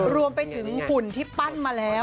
รวมไปถึงหุ่นที่ปั้นมาแล้ว